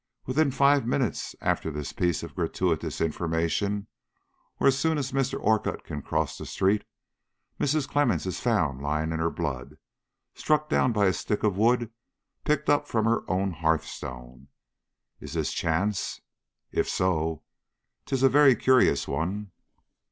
Within five minutes after this piece of gratuitous information, or as soon as Mr. Orcutt can cross the street, Mrs. Clemmens is found lying in her blood, struck down by a stick of wood picked up from her own hearth stone. Is this chance? If so, 'tis a very curious one."